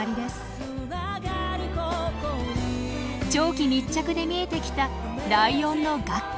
長期密着で見えてきたライオンの学校。